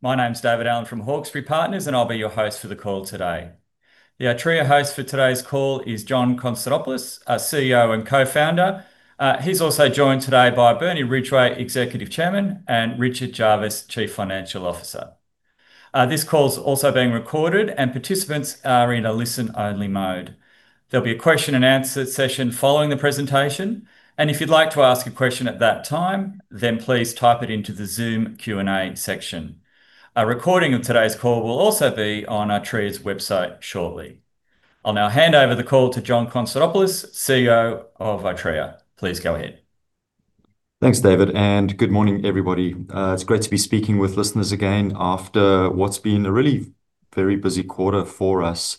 My name's David Allen from Hawkesbury Partners, and I'll be your host for the call today. The Artrya host for today's call is John Konstantopoulos, CEO and co-founder. He's also joined today by Bernie Ridgeway, Executive Chairman, and Richard Jarvis, Chief Financial Officer. This call's also being recorded, and participants are in a listen-only mode. There'll be a question-and-answer session following the presentation, and if you'd like to ask a question at that time, then please type it into the Zoom Q&A section. A recording of today's call will also be on Artrya's website shortly. I'll now hand over the call to John Konstantopoulos, CEO of Artrya. Please go ahead. Thanks, David, and good morning, everybody. It's great to be speaking with listeners again after what's been a really very busy quarter for us.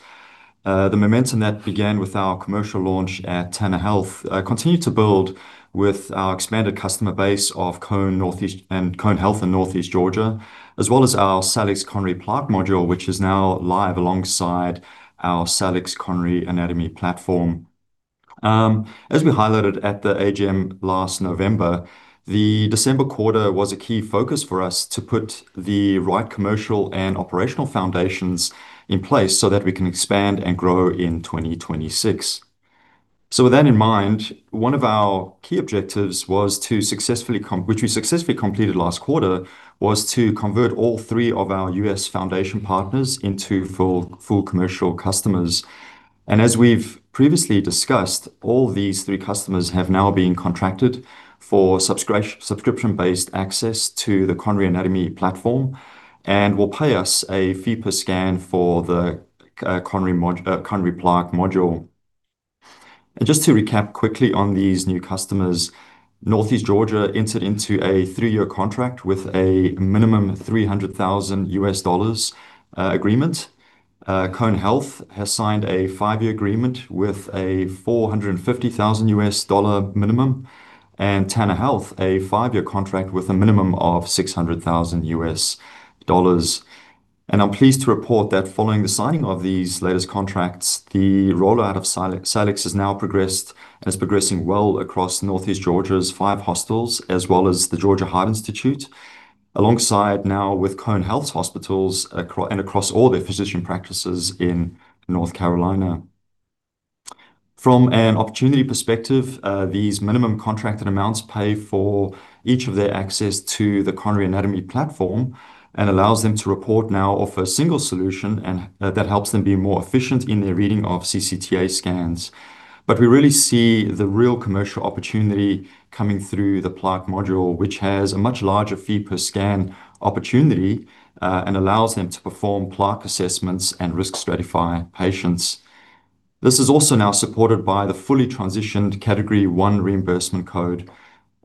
The momentum that began with our commercial launch at Tanner Health continued to build with our expanded customer base of Cone Health and Northeast Georgia, as well as our Salix Coronary Plaque module, which is now live alongside our Salix Coronary Anatomy platform. As we highlighted at the AGM last November, the December quarter was a key focus for us to put the right commercial and operational foundations in place so that we can expand and grow in 2026. With that in mind, one of our key objectives was to successfully complete, which we successfully completed last quarter, was to convert all three of our U.S. foundation partners into full commercial customers. As we've previously discussed, all these three customers have now been contracted for subscription-based access to the Salix Coronary Anatomy platform and will pay us a fee per scan for the Salix Coronary Plaque module. Just to recap quickly on these new customers, Northeast Georgia entered into a three-year contract with a minimum $300,000 agreement. Cone Health has signed a five-year agreement with a $450,000 minimum, and Tanner Health a five-year contract with a minimum of $600,000. I'm pleased to report that following the signing of these latest contracts, the rollout of Salix has now progressed and is progressing well across Northeast Georgia's five hospitals, as well as the Georgia Heart Institute, alongside now with Cone Health's hospitals and across all their physician practices in North Carolina. From an opportunity perspective, these minimum contracted amounts pay for each of their access to the Coronary Anatomy platform and allow them to report now off a single solution that helps them be more efficient in their reading of CCTA scans. But we really see the real commercial opportunity coming through the Plaque module, which has a much larger fee per scan opportunity and allows them to perform Plaque assessments and risk stratify patients. This is also now supported by the fully transitioned Category 1 reimbursement code.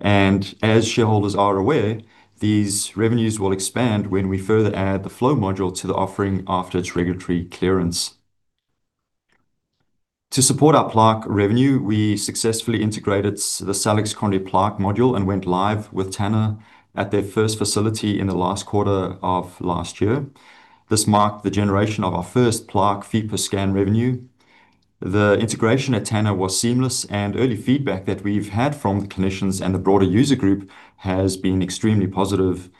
As shareholders are aware, these revenues will expand when we further add the Flow module to the offering after its regulatory clearance. To support our Plaque revenue, we successfully integrated the Salix Coronary Plaque module and went live with Tanner at their first facility in the last quarter of last year. This marked the generation of our first Plaque fee per scan revenue. The integration at Tanner was seamless, and early feedback that we've had from the clinicians and the broader user group has been extremely positive.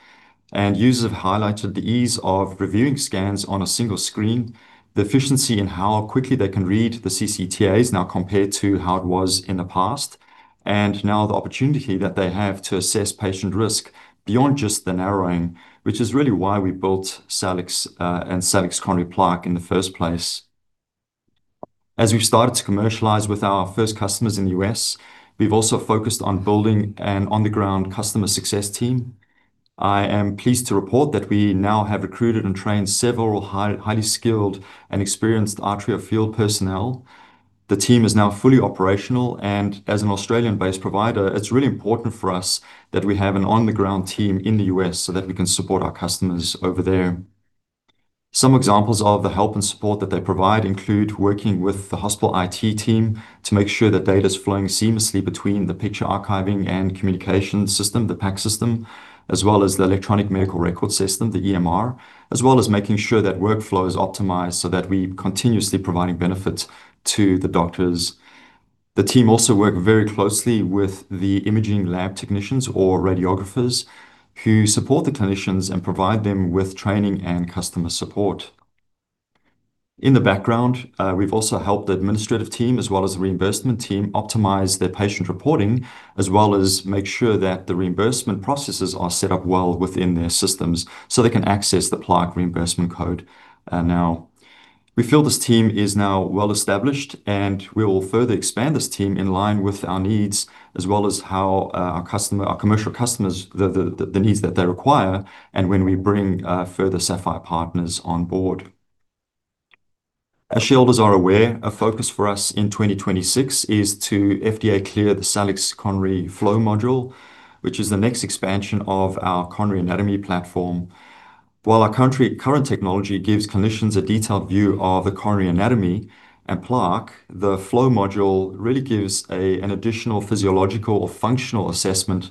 Users have highlighted the ease of reviewing scans on a single screen, the efficiency in how quickly they can read the CCTAs now compared to how it was in the past, and now the opportunity that they have to assess patient risk beyond just the narrowing, which is really why we built Salix and Salix Coronary Plaque in the first place. As we've started to commercialize with our first customers in the U.S., we've also focused on building an on-the-ground customer success team. I am pleased to report that we now have recruited and trained several highly skilled and experienced Artrya field personnel. The team is now fully operational, and as an Australian-based provider, it's really important for us that we have an on-the-ground team in the U.S. so that we can support our customers over there. Some examples of the help and support that they provide include working with the hospital IT team to make sure that data's flowing seamlessly between the picture archiving and communication system, the PACS, as well as the electronic medical record system, the EMR, as well as making sure that workflow is optimized so that we're continuously providing benefits to the doctors. The team also works very closely with the imaging lab technicians or radiographers who support the clinicians and provide them with training and customer support. In the background, we've also helped the administrative team as well as the reimbursement team optimize their patient reporting as well as make sure that the reimbursement processes are set up well within their systems so they can access the Plaque reimbursement code now. We feel this team is now well established, and we will further expand this team in line with our needs as well as how our customer, our commercial customers, the needs that they require, and when we bring further SAPPHIRE partners on board. As shareholders are aware, a focus for us in 2026 is to FDA clear the Salix Coronary Flow module, which is the next expansion of our Coronary Anatomy platform. While our current technology gives clinicians a detailed view of the Salix Coronary Anatomy and Plaque, the Flow module really gives an additional physiological or functional assessment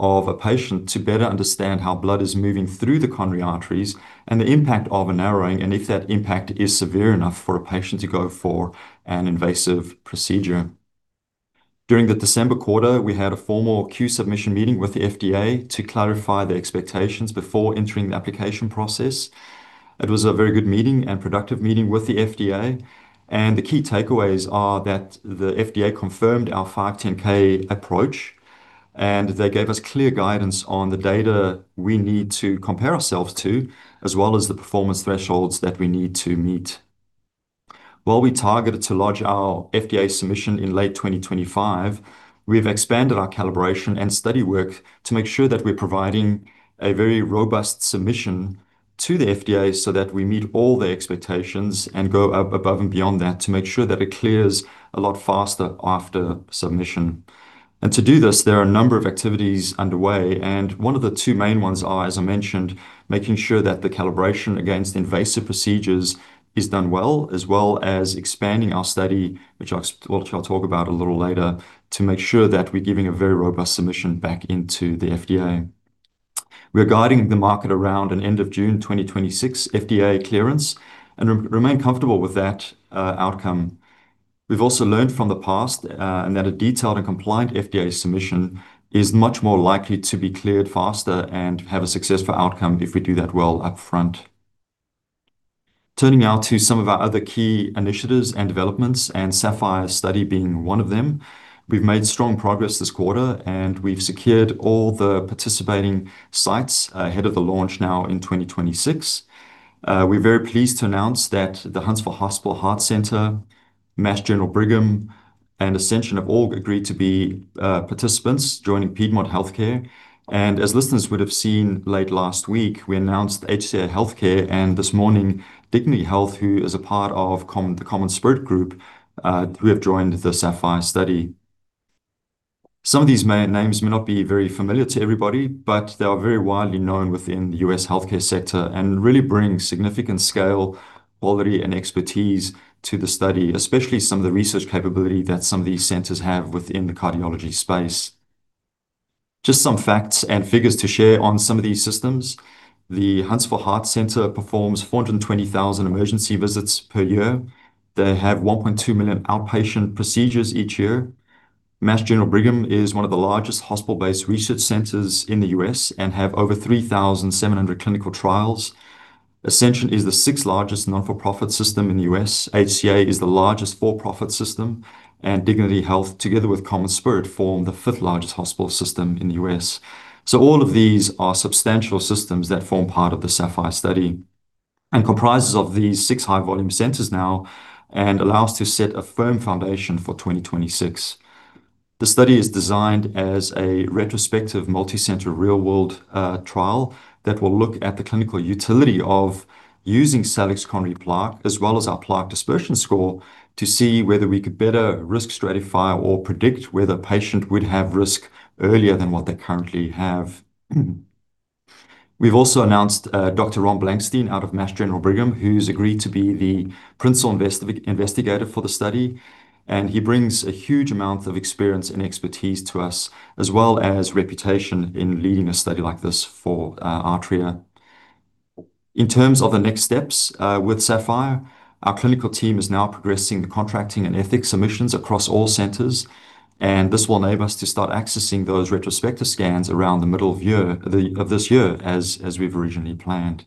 of a patient to better understand how blood is moving through the coronary arteries and the impact of a narrowing, and if that impact is severe enough for a patient to go for an invasive procedure. During the December quarter, we had a formal Q-Submission meeting with the FDA to clarify their expectations before entering the application process. It was a very good meeting and productive meeting with the FDA, and the key takeaways are that the FDA confirmed our 510(k) approach, and they gave us clear guidance on the data we need to compare ourselves to as well as the performance thresholds that we need to meet. While we targeted to lodge our FDA submission in late 2025, we've expanded our calibration and study work to make sure that we're providing a very robust submission to the FDA so that we meet all their expectations and go above and beyond that to make sure that it clears a lot faster after submission. To do this, there are a number of activities underway, and one of the two main ones are, as I mentioned, making sure that the calibration against invasive procedures is done well as well as expanding our study, which I'll talk about a little later, to make sure that we're giving a very robust submission back into the FDA. We are guiding the market around an end of June 2026 FDA clearance and remain comfortable with that outcome. We've also learned from the past that a detailed and compliant FDA submission is much more likely to be cleared faster and have a successful outcome if we do that well upfront. Turning now to some of our other key initiatives and developments, and SAPPHIRE's study being one of them, we've made strong progress this quarter, and we've secured all the participating sites ahead of the launch now in 2026. We're very pleased to announce that the Huntsville Hospital Heart Center, Mass General Brigham, and Ascension St. Vincent's agreed to be participants joining Piedmont Healthcare. As listeners would have seen late last week, we announced HCA Healthcare and this morning Dignity Health, who is a part of the CommonSpirit group who have joined the SAPPHIRE study. Some of these names may not be very familiar to everybody, but they are very widely known within the U.S. healthcare sector and really bring significant scale, quality, and expertise to the study, especially some of the research capability that some of these centers have within the cardiology space. Just some facts and figures to share on some of these systems: the Huntsville Heart Center performs 420,000 emergency visits per year. They have 1,200,000 outpatient procedures each year. Mass General Brigham is one of the largest hospital-based research centers in the U.S. and has over 3,700 clinical trials. Ascension is the sixth largest nonprofit system in the U.S. HCA is the largest for-profit system, and Dignity Health, together with CommonSpirit, form the fifth largest hospital system in the U.S. All of these are substantial systems that form part of the SAPPHIRE study and comprise these six high-volume centers now and allow us to set a firm foundation for 2026. The study is designed as a retrospective multi-center real-world trial that will look at the clinical utility of using Salix Coronary Plaque as well as our Plaque dispersion score to see whether we could better risk stratify or predict whether a patient would have risk earlier than what they currently have. We've also announced Dr. Ron Blankstein out of Mass General Brigham, who's agreed to be the principal investigator for the study, and he brings a huge amount of experience and expertise to us as well as reputation in leading a study like this for Artrya. In terms of the next steps with SAPPHIRE, our clinical team is now progressing the contracting and ethics submissions across all centers, and this will enable us to start accessing those retrospective scans around the middle of this year as we've originally planned.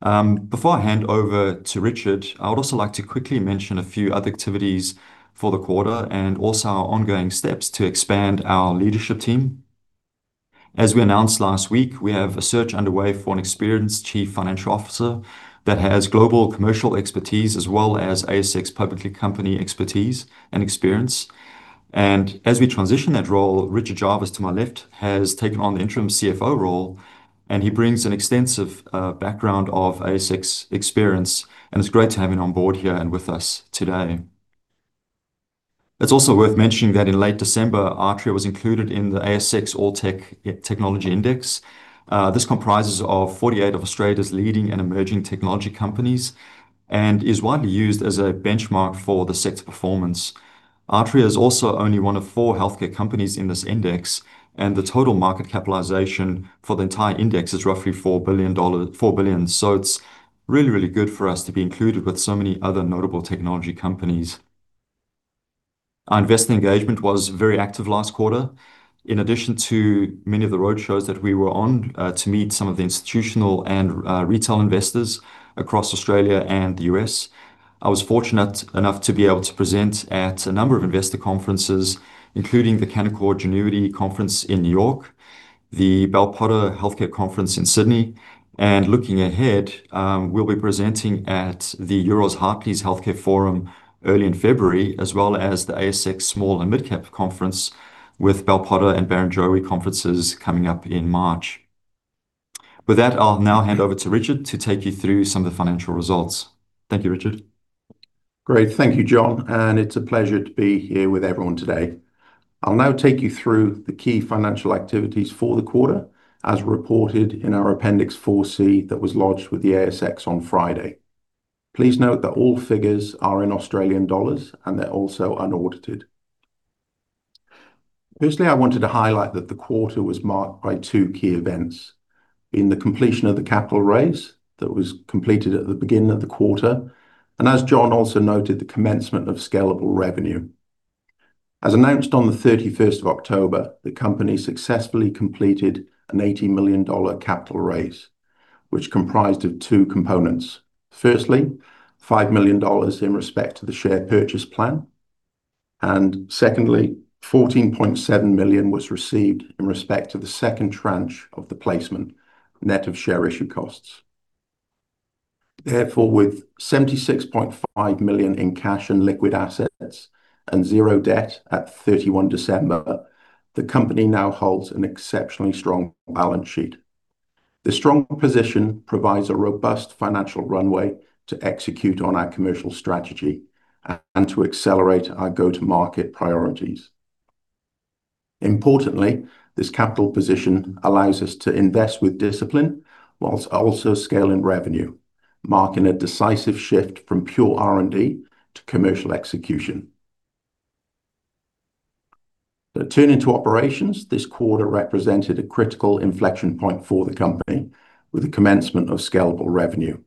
Before I hand over to Richard, I would also like to quickly mention a few other activities for the quarter and also our ongoing steps to expand our leadership team. As we announced last week, we have a search underway for an experienced Chief Financial Officer that has global commercial expertise as well as ASX public company expertise and experience. As we transition that role, Richard Jarvis to my left has taken on the interim CFO role, and he brings an extensive background of ASX experience, and it's great to have him on board here and with us today. It's also worth mentioning that in late December, Artrya was included in the S&P/ASX All Technology Index. This comprises 48 of Australia's leading and emerging technology companies and is widely used as a benchmark for the sector performance. Artrya is also only one of four healthcare companies in this index, and the total market capitalization for the entire index is roughly 4 billion dollars. It's really, really good for us to be included with so many other notable technology companies. Our investor engagement was very active last quarter, in addition to many of the roadshows that we were on to meet some of the institutional and retail investors across Australia and the U.S.. I was fortunate enough to be able to present at a number of investor conferences, including the Canaccord Genuity Conference in New York, the Bell Potter Healthcare Conference in Sydney, and looking ahead, we'll be presenting at the Euroz Hartleys Healthcare Forum early in February, as well as the ASX Small and Mid-Cap Conference with Bell Potter and Barrenjoey Conferences coming up in March. With that, I'll now hand over to Richard to take you through some of the financial results. Thank you, Richard. Great. Thank you, John, and it's a pleasure to be here with everyone today. I'll now take you through the key financial activities for the quarter as reported in our Appendix 4C that was lodged with the ASX on Friday. Please note that all figures are in Australian dollars and they're also unaudited. Firstly, I wanted to highlight that the quarter was marked by two key events: the completion of the capital raise that was completed at the beginning of the quarter, and as John also noted, the commencement of scalable revenue. As announced on the 31st of October, the company successfully completed an 18 million dollar capital raise, which comprised two components. Firstly, 5 million dollars in respect to the share purchase plan, and secondly, 14.7 million was received in respect to the second tranche of the placement net of share issue costs. Therefore, with 76.5 million in cash and liquid assets and zero debt at 31 December, the company now holds an exceptionally strong balance sheet. This strong position provides a robust financial runway to execute on our commercial strategy and to accelerate our go-to-market priorities. Importantly, this capital position allows us to invest with discipline while also scaling revenue, marking a decisive shift from pure R&D to commercial execution. Turning to operations, this quarter represented a critical inflection point for the company with the commencement of scalable revenue.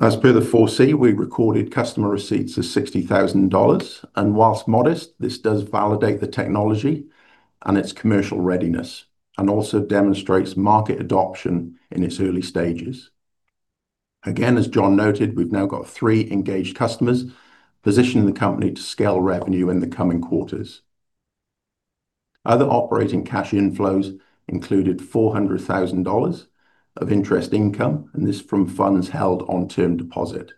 As per the 4C, we recorded customer receipts of $60,000, and while modest, this does validate the technology and its commercial readiness and also demonstrates market adoption in its early stages. Again, as John noted, we've now got three engaged customers positioning the company to scale revenue in the coming quarters. Other operating cash inflows included $400,000 of interest income, and this from funds held on term deposit.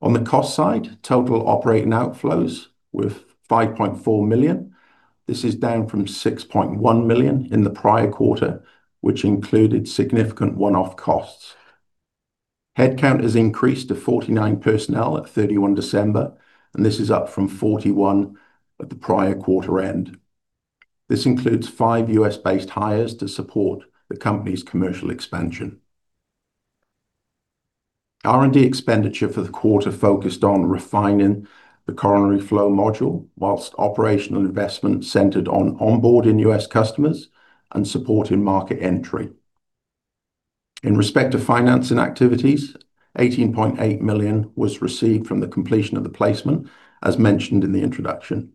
On the cost side, total operating outflows were $5.4 million. This is down from $6.1 million in the prior quarter, which included significant one-off costs. Headcount has increased to 49 personnel at 31 December, and this is up from 41 at the prior quarter end. This includes five U.S.-based hires to support the company's commercial expansion. R&D expenditure for the quarter focused on refining the Coronary Flow module while operational investment centered on onboarding U.S. customers and supporting market entry. In respect to financing activities, 18.8 million was received from the completion of the placement, as mentioned in the introduction.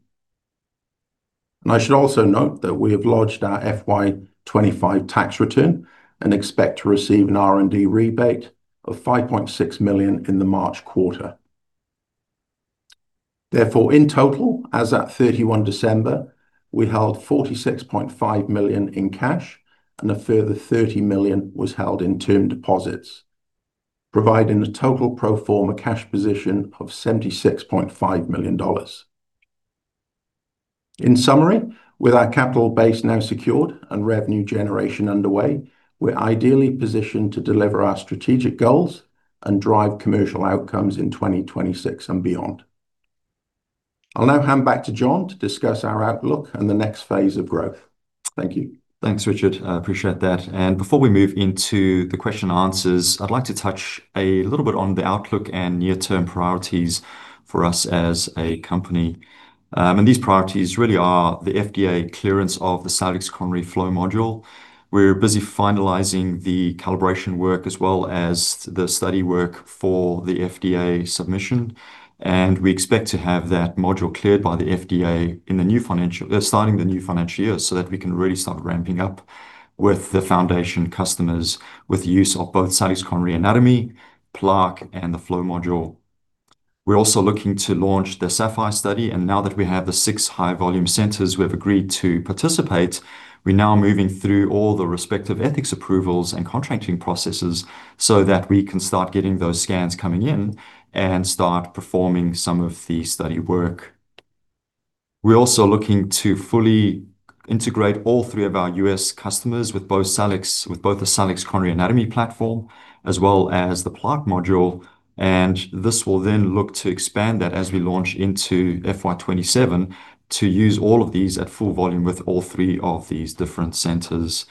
I should also note that we have lodged our FY 2025 tax return and expect to receive an R&D rebate of 5.6 million in the March quarter. Therefore, in total, as at 31 December, we held 46.5 million in cash and a further 30 million was held in term deposits, providing a total pro forma cash position of 76.5 million dollars. In summary, with our capital base now secured and revenue generation underway, we're ideally positioned to deliver our strategic goals and drive commercial outcomes in 2026 and beyond. I'll now hand back to John to discuss our outlook and the next phase of growth. Thank you. Thanks, Richard. I appreciate that. Before we move into the question and answers, I'd like to touch a little bit on the outlook and near-term priorities for us as a company. These priorities really are the FDA clearance of the Salix Coronary Flow module. We're busy finalizing the calibration work as well as the study work for the FDA submission, and we expect to have that module cleared by the FDA in the new financial year, starting the new financial year, so that we can really start ramping up with the foundation customers with the use of both Salix Coronary Anatomy, Plaque, and the Flow module. We're also looking to launch the SAPPHIRE study, and now that we have the six high-volume centers we've agreed to participate, we're now moving through all the respective ethics approvals and contracting processes so that we can start getting those scans coming in and start performing some of the study work. We're also looking to fully integrate all three of our U.S. customers with both Salix, with both the Salix Coronary Anatomy platform as well as the Plaque module, and this will then look to expand that as we launch into FY 2027 to use all of these at full volume with all three of these different centers.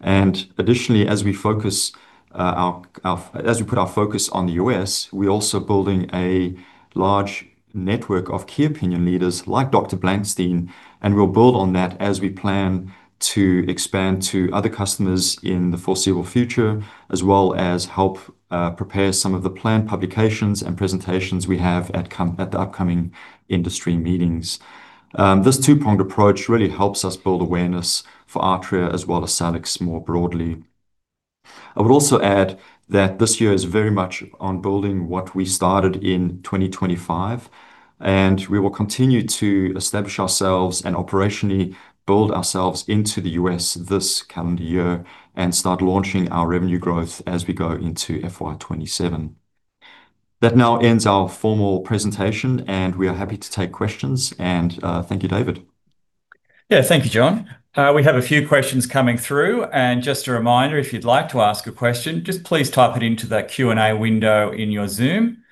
Additionally, as we put our focus on the U.S., we're also building a large network of key opinion leaders like Dr. Blankstein, and we'll build on that as we plan to expand to other customers in the foreseeable future, as well as help prepare some of the planned publications and presentations we have at the upcoming industry meetings. This two-pronged approach really helps us build awareness for Artrya as well as Salix more broadly. I would also add that this year is very much on building what we started in 2025, and we will continue to establish ourselves and operationally build ourselves into the U.S. this calendar year and start launching our revenue growth as we go into FY 2027. That now ends our formal presentation, and we are happy to take questions. Thank you, David. Yeah, thank you, John. We have a few questions coming through, and just a reminder, if you'd like to ask a question, just please type it into the Q&A window in your Zoom.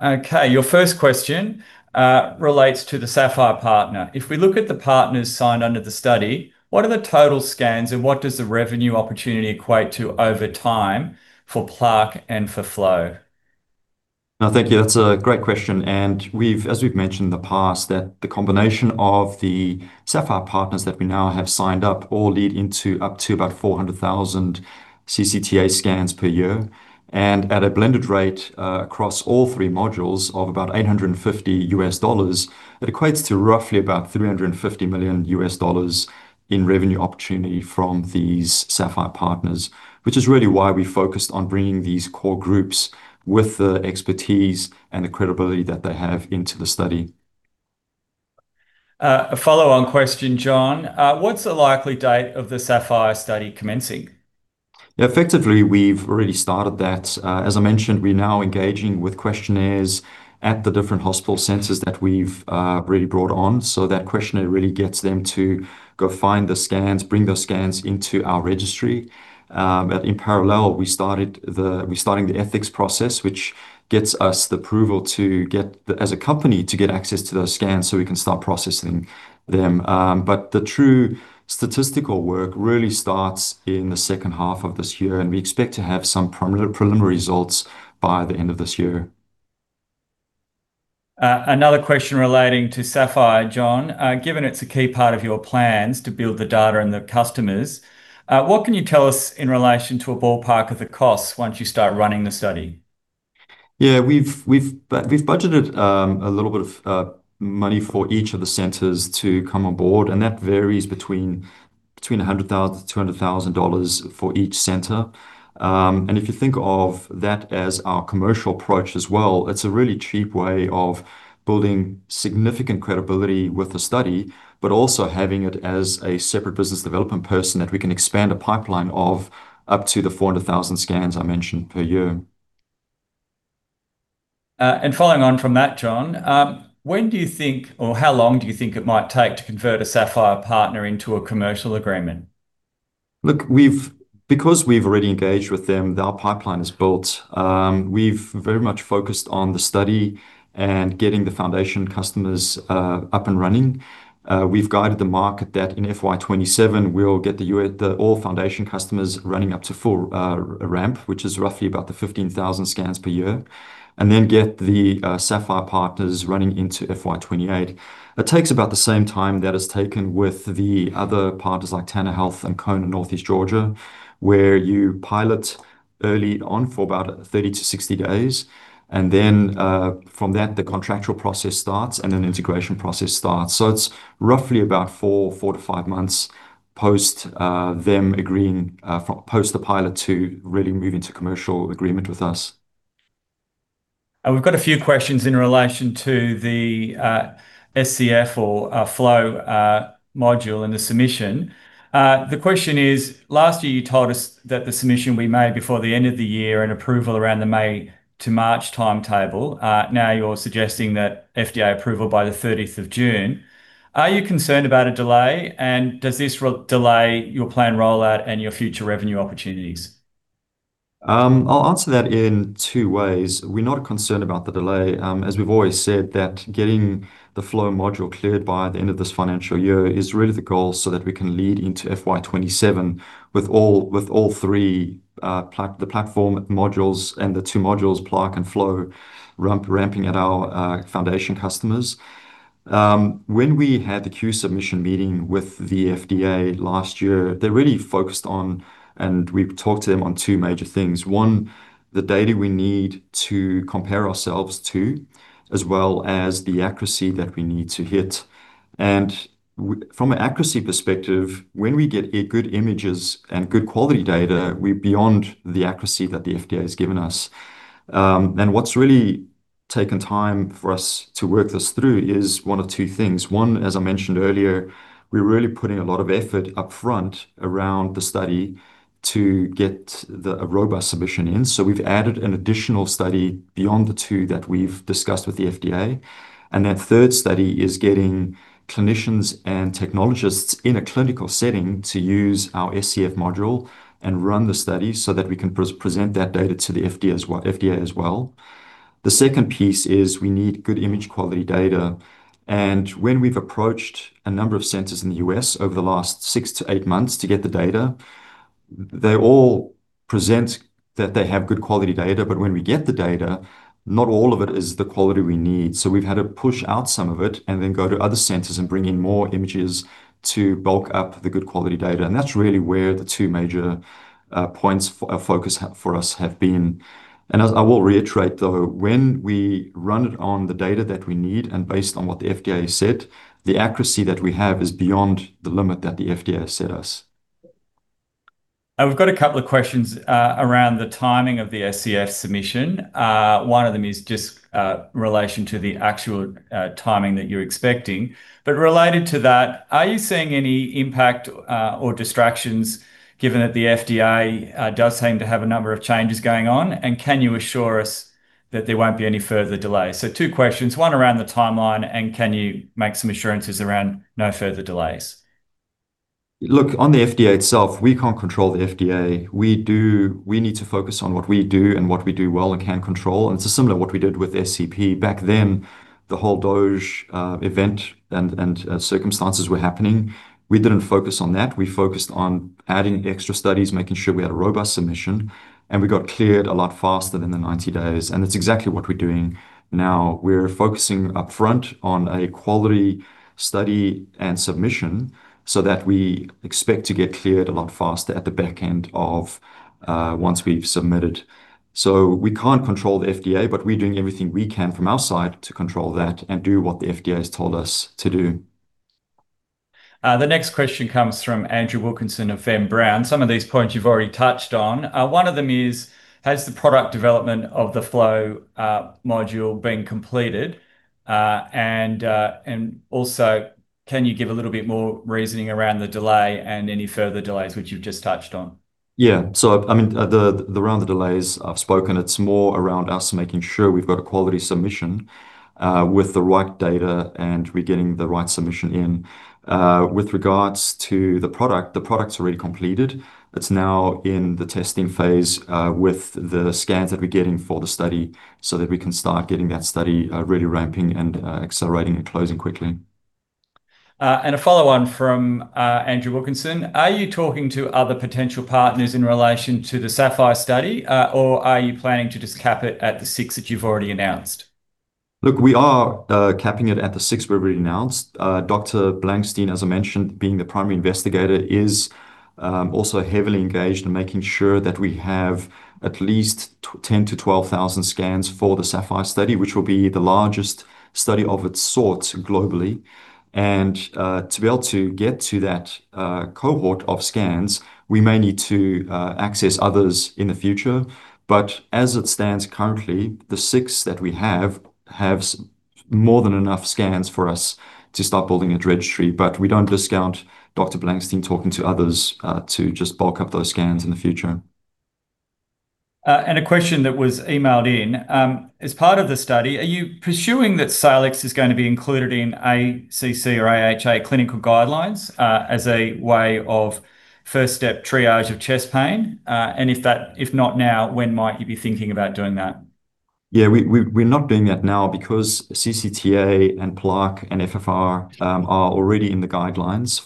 Okay, your first question relates to the SAPPHIRE partner. If we look at the partners signed under the study, what are the total scans and what does the revenue opportunity equate to over time for Plaque and for Flow? Thank you. That's a great question. As we've mentioned in the past, the combination of the SAPPHIRE partners that we now have signed up all lead into up to about 400,000 CCTA scans per year, and at a blended rate across all three modules of about $850, it equates to roughly about $350 million in revenue opportunity from these SAPPHIRE partners, which is really why we focused on bringing these core groups with the expertise and the credibility that they have into the study. A follow-on question, John. What's the likely date of the SAPPHIRE study commencing? Yeah, effectively, we've already started that. As I mentioned, we're now engaging with questionnaires at the different hospital centers that we've really brought on so that questionnaire really gets them to go find the scans, bring those scans into our registry. In parallel, we started the ethics process, which gets us the approval to get, as a company, to get access to those scans so we can start processing them. But the true statistical work really starts in the second half of this year, and we expect to have some preliminary results by the end of this year. Another question relating to SAPPHIRE, John. Given it's a key part of your plans to build the data and the customers, what can you tell us in relation to a ballpark of the costs once you start running the study? Yeah, we've budgeted a little bit of money for each of the centers to come on board, and that varies between $100,000-$200,000 for each center. If you think of that as our commercial approach as well, it's a really cheap way of building significant credibility with the study, but also having it as a separate business development person that we can expand a pipeline of up to the 400,000 scans I mentioned per year. Following on from that, John, when do you think, or how long do you think it might take to convert a SAPPHIRE partner into a commercial agreement? Look, because we've already engaged with them, our pipeline is built. We've very much focused on the study and getting the foundation customers up and running. We've guided the market that in FY 2027, we'll get all foundation customers running up to full ramp, which is roughly about the 15,000 scans per year, and then get the SAPPHIRE partners running into FY 2028. It takes about the same time that is taken with the other partners like Tanner Health and Cone Northeast Georgia, where you pilot early on for about 30-60 days, and then from that, the contractual process starts and an integration process starts. It's roughly about four to five months post them agreeing post the pilot to really move into commercial agreement with us. We've got a few questions in relation to the SCF or Flow module and the submission. The question is, last year you told us that the submission we made before the end of the year and approval around the May to March timetable, now you're suggesting that FDA approval by the 30th of June. Are you concerned about a delay, and does this delay your plan rollout and your future revenue opportunities? I'll answer that in two ways. We're not concerned about the delay. As we've always said, getting the Flow module cleared by the end of this financial year is really the goal so that we can lead into FY 2027 with all three platform modules and the two modules, Plaque and Flow, ramping at our foundation customers. When we had the Q-Submission meeting with the FDA last year, they really focused on, and we talked to them on two major things. One, the data we need to compare ourselves to, as well as the accuracy that we need to hit. From an accuracy perspective, when we get good images and good quality data, we're beyond the accuracy that the FDA has given us. What's really taken time for us to work this through is one of two things. One, as I mentioned earlier, we're really putting a lot of effort up front around the study to get a robust submission in. We've added an additional study beyond the two that we've discussed with the FDA, and that third study is getting clinicians and technologists in a clinical setting to use our SCF module and run the study so that we can present that data to the FDA as well. The second piece is we need good image quality data. When we've approached a number of centers in the U.S. over the last six to eight months to get the data, they all present that they have good quality data, but when we get the data, not all of it is the quality we need. We've had to push out some of it and then go to other centers and bring in more images to bulk up the good quality data. That's really where the two major points of focus for us have been. I will reiterate, though, when we run it on the data that we need and based on what the FDA said, the accuracy that we have is beyond the limit that the FDA has set us. We've got a couple of questions around the timing of the SCF submission. One of them is just in relation to the actual timing that you're expecting. Related to that, are you seeing any impact or distractions given that the FDA does seem to have a number of changes going on, and can you assure us that there won't be any further delays? Two questions, one around the timeline, and can you make some assurances around no further delays? Look, on the FDA itself, we can't control the FDA. We need to focus on what we do and what we do well and can control. It's similar to what we did with SCP. Back then, the whole COVID event and circumstances were happening. We didn't focus on that. We focused on adding extra studies, making sure we had a robust submission, and we got cleared a lot faster than the 90 days. That's exactly what we're doing now. We're focusing up front on a quality study and submission so that we expect to get cleared a lot faster at the back end once we've submitted. We can't control the FDA, but we're doing everything we can from our side to control that and do what the FDA has told us to do. The next question comes from Andrew Wilkinson of Venn Brown. Some of these points you've already touched on. One of them is, has the product development of the Flow module been completed? Also, can you give a little bit more reasoning around the delay and any further delays, which you've just touched on? Yeah. Around the delays I've spoken, it's more around us making sure we've got a quality submission with the right data and we're getting the right submission in. With regards to the product, the product's already completed. It's now in the testing phase with the scans that we're getting for the study so that we can start getting that study really ramping and accelerating and closing quickly. A follow-on from Andrew Wilkinson, are you talking to other potential partners in relation to the SAPPHIRE study, or are you planning to just cap it at the six that you've already announced? Look, we are capping it at the six we've already announced. Dr. Blankstein, as I mentioned, being the primary investigator, is also heavily engaged in making sure that we have at least 10,000-12,000 scans for the SAPPHIRE study, which will be the largest study of its sort globally. To be able to get to that cohort of scans, we may need to access others in the future, but as it stands currently, the 6 that we have have more than enough scans for us to start building a registry, but we don't discount Dr. Blankstein talking to others to just bulk up those scans in the future. A question that was emailed in, as part of the study, are you pursuing that Salix is going to be included in ACC or AHA clinical guidelines as a way of first-step triage of chest pain? If not now, when might you be thinking about doing that? Yeah, we're not doing that now because CCTA and Plaque and FFR are already in the guidelines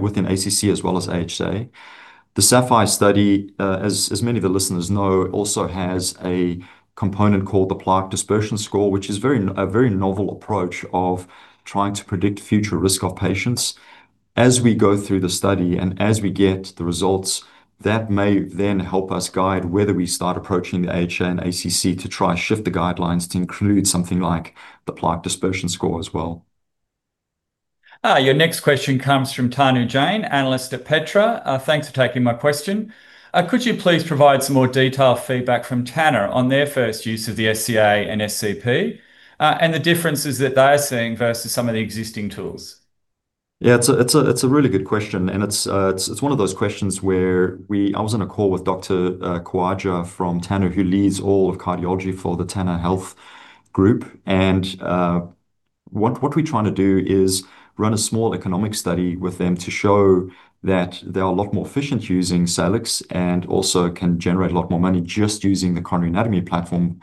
within ACC as well as AHA. The SAPPHIRE study, as many of the listeners know, also has a component called the Plaque dispersion score, which is a very novel approach of trying to predict future risk of patients. As we go through the study and as we get the results, that may then help us guide whether we start approaching the AHA and ACC to try to shift the guidelines to include something like the Plaque dispersion score as well. Your next question comes from Tanu Jain, analyst at Petra. Thanks for taking my question. Could you please provide some more detailed feedback from Tanner on their first use of the SCA and SCP and the differences that they are seeing versus some of the existing tools? Yeah, it's a really good question, and it's one of those questions where I was on a call with Dr. Khawaja from Tanner, who leads all of cardiology for the Tanner Health group. What we're trying to do is run a small economic study with them to show that they're a lot more efficient using Salix and also can generate a lot more money just using the coronary anatomy platform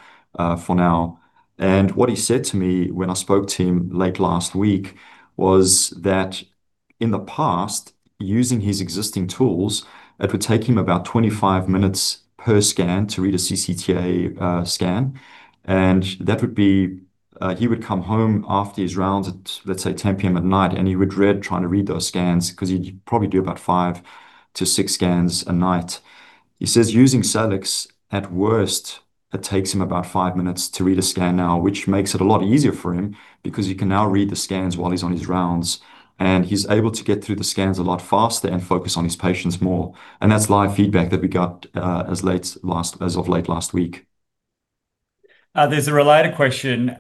for now. What he said to me when I spoke to him late last week was that in the past, using his existing tools, it would take him about 25 minutes per scan to read a CCTA scan. He would come home after his rounds at, let's say, 10:00 P.M. at night, and he would read trying to read those scans because he'd probably do about five to six scans a night. He says, using Salix, at worst, it takes him about five minutes to read a scan now, which makes it a lot easier for him because he can now read the scans while he's on his rounds, and he's able to get through the scans a lot faster and focus on his patients more. That's live feedback that we got as late as of late last week. There's a related question,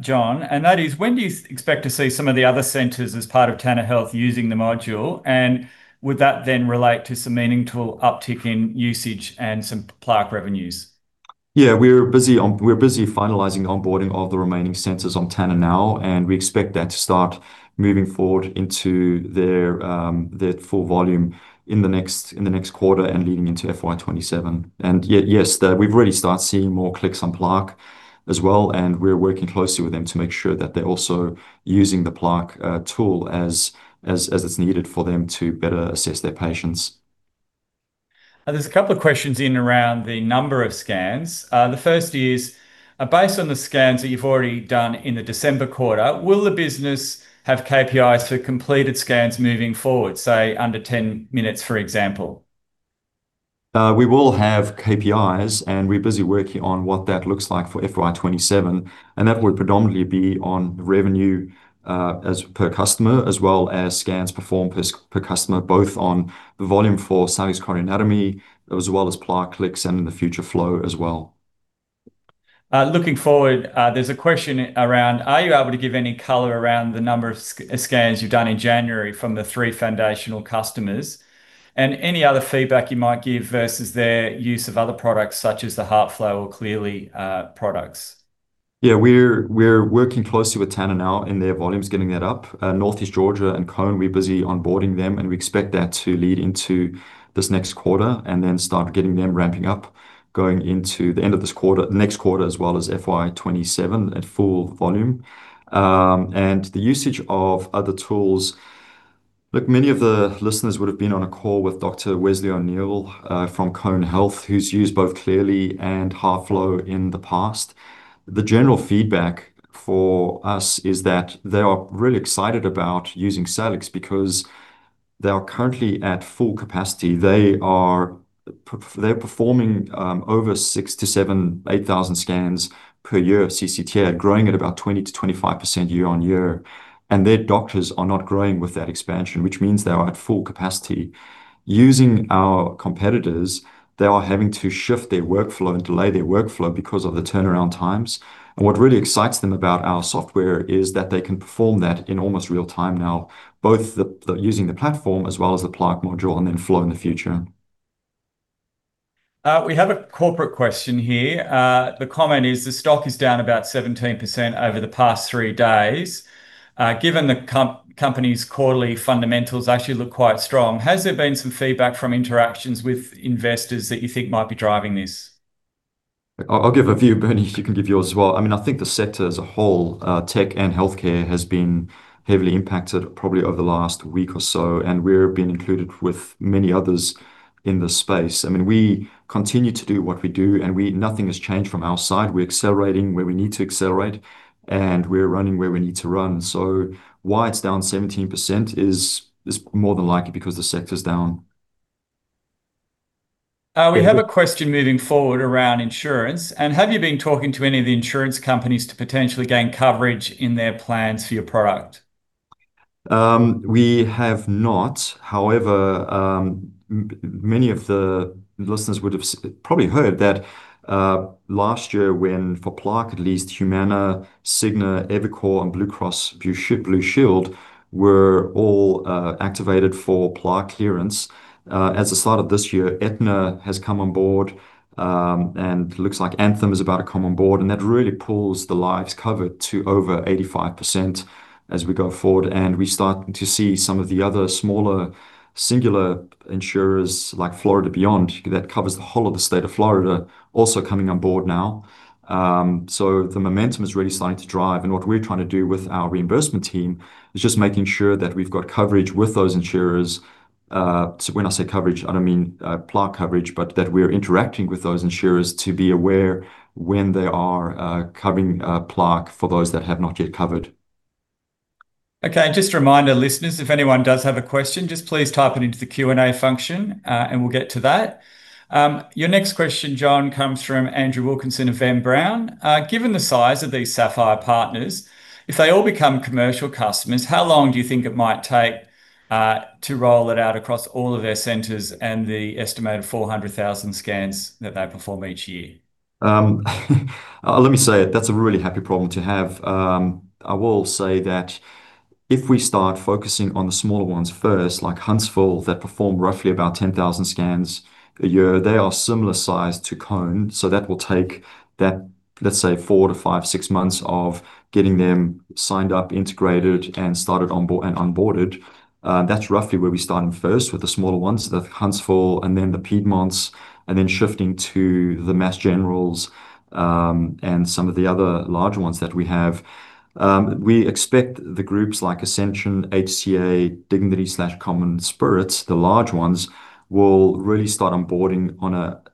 John, and that is, when do you expect to see some of the other centers as part of Tanner Health using the module? Would that then relate to some meaningful uptick in usage and some Plaque revenues? Yeah, we're busy finalizing the onboarding of the remaining centers on Tanner now, and we expect that to start moving forward into their full volume in the next quarter and leading into FY 2027. Yes, we've already started seeing more clicks on Plaque as well, and we're working closely with them to make sure that they're also using the Plaque tool as it's needed for them to better assess their patients. There's a couple of questions in around the number of scans. The first is, based on the scans that you've already done in the December quarter, will the business have KPIs for completed scans moving forward, say under 10 minutes, for example? We will have KPIs, and we're busy working on what that looks like for FY 2027, and that would predominantly be on revenue per customer as well as scans performed per customer, both on the volume for Salix Coronary Anatomy as well as Plaque clicks and in the future Flow as well. Looking forward, there's a question around, are you able to give any color around the number of scans you've done in January from the three foundational customers and any other feedback you might give versus their use of other products such as the HeartFlow or Cleerly products? Yeah, we're working closely with Tanner now in their volumes, getting that up. Northeast Georgia and Cone, we're busy onboarding them, and we expect that to lead into this next quarter and then start getting them ramping up going into the end of this quarter, the next quarter as well as FY 2027 at full volume. The usage of other tools, look, many of the listeners would have been on a call with Dr. Wesley O'Neal from Cone Health, who's used both Cleerly and HeartFlow in the past. The general feedback for us is that they are really excited about using Salix because they are currently at full capacity. They are performing over 6,000-7,000, 8,000 scans per year, CCTA, growing at about 20%-25% year-on-year. Their doctors are not growing with that expansion, which means they are at full capacity. Using our competitors, they are having to shift their workflow and delay their workflow because of the turnaround times. What really excites them about our software is that they can perform that in almost real time now, both using the platform as well as the Plaque module and then Flow in the future. We have a corporate question here. The comment is, the stock is down about 17% over the past three days. Given the company's quarterly fundamentals actually look quite strong, has there been some feedback from interactions with investors that you think might be driving this? I'll give a view, Bernie, you can give yours as well. I think the sector as a whole, tech and healthcare, has been heavily impacted probably over the last week or so, and we're being included with many others in the space. We continue to do what we do, and nothing has changed from our side. We're accelerating where we need to accelerate, and we're running where we need to run. Why it's down 17% is more than likely because the sector's down. We have a question moving forward around insurance. Have you been talking to any of the insurance companies to potentially gain coverage in their plans for your product? We have not. However, many of the listeners would have probably heard that last year when for Plaque at least, Humana, Cigna, EviCore, and Blue Cross Blue Shield were all activated for Plaque clearance. As a start of this year, Aetna has come on board, and it looks like Anthem is about to come on board, and that really pulls the lives covered to over 85% as we go forward. We're starting to see some of the other smaller singular insurers like Florida Blue that covers the whole of the state of Florida also coming on board now. The momentum is really starting to drive, and what we're trying to do with our reimbursement team is just making sure that we've got coverage with those insurers. When I say coverage, I don't mean Plaque coverage, but that we're interacting with those insurers to be aware when they are covering Plaque for those that have not yet covered. Okay. Just a reminder, listeners, if anyone does have a question, just please type it into the Q&A function, and we'll get to that. Your next question, John, comes from Andrew Wilkinson of Venn Brown. Given the size of these SAPPHIRE partners, if they all become commercial customers, how long do you think it might take to roll it out across all of their centers and the estimated 400,000 scans that they perform each year? Let me say it, that's a really happy problem to have. I will say that if we start focusing on the smaller ones first, like Huntsville that perform roughly about 10,000 scans a year, they are similar size to Conan, so that will take that, let's say, four to five, six months of getting them signed up, integrated, and started onboard and onboarded. That's roughly where we started first with the smaller ones, the Huntsville, and then the Piedmont's, and then shifting to the Mass Generals and some of the other larger ones that we have. We expect the groups like Ascension, HCA, Dignity/Common Spirit, the large ones, will really start onboarding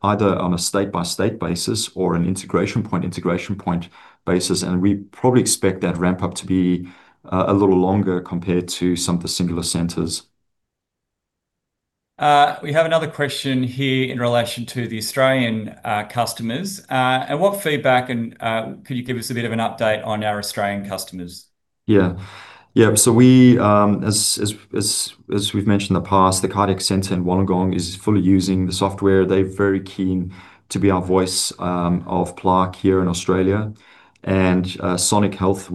either on a state-by-state basis or an integration point, integration point basis, and we probably expect that ramp-up to be a little longer compared to some of the singular centers. We have another question here in relation to the Australian customers. What feedback could you give us? A bit of an update on our Australian customers? Yeah. As we've mentioned in the past, The Cardiac Centre in Wollongong is fully using the software. They're very keen to be our voice of Plaque here in Australia. Sonic Healthcare,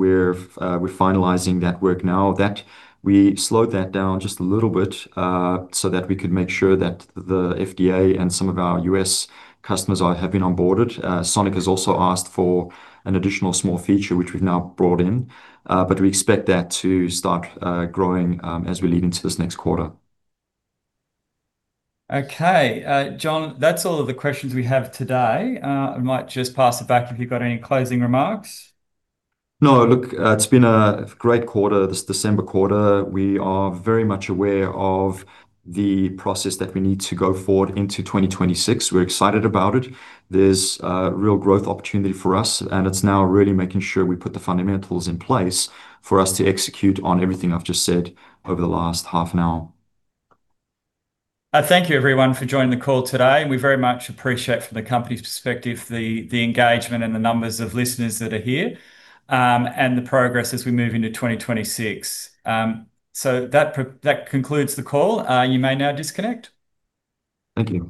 we're finalizing that work now. We slowed that down just a little bit so that we could make sure that the FDA and some of our U.S. customers have been onboarded. Sonic has also asked for an additional small feature, which we've now brought in, but we expect that to start growing as we lead into this next quarter. Okay. John, that's all of the questions we have today. I might just pass it back if you've got any closing remarks. No, look, it's been a great quarter, this December quarter. We are very much aware of the process that we need to go forward into 2026. We're excited about it. There's real growth opportunity for us, and it's now really making sure we put the fundamentals in place for us to execute on everything I've just said over the last half an hour. Thank you, everyone, for joining the call today. We very much appreciate from the company's perspective the engagement and the numbers of listeners that are here and the progress as we move into 2026. That concludes the call. You may now disconnect. Thank you.